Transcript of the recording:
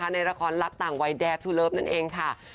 ในละครลับต่างวัยแดดทูเลิฟนั่นเองค่ะ